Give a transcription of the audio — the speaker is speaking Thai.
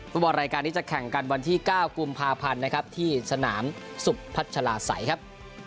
บอลรายการนี้จะแข่งกันวันที่๙กุมภาพันธ์นะครับที่สนามสุพัชลาศัยครับ